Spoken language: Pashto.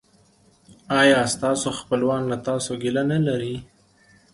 ایا ستاسو خپلوان له تاسو ګیله نلري؟